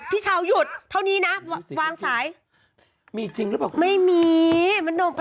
พี่เช้าหยุดเท่านี้นะวางสายมีจริงหรือเปล่าไม่มีมันหนุ่ม